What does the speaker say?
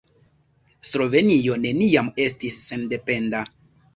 Slovenio neniam estis sendependa.